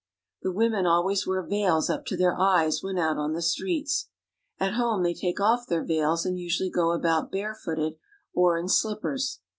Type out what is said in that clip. The women always wear veils up to their eyes when out on the streets. At home they take off their veils, and usually go about bare footed or in slippers.